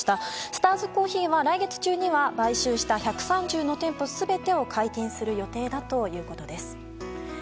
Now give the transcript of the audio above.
スターズ・コーヒーは来月中には買収した１３０の店舗全てを開店する予定だということです。